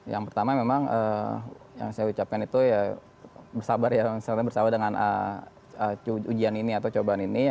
yang pertama memang yang saya ucapkan itu ya bersabar ya misalnya bersama dengan ujian ini atau cobaan ini